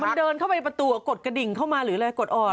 มันเดินเข้าไปประตูกดกระดิ่งเข้ามาหรืออะไรกดอ่อน